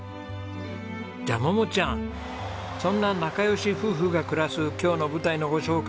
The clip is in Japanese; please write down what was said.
じゃあ桃ちゃんそんな仲良し夫婦が暮らす今日の舞台のご紹介